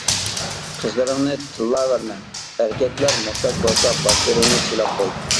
قىزلىرىڭنى تىللاۋەرمە ئەركەكلەر، موھتاج بولسا باشلىرىنى سىلاپ قوي!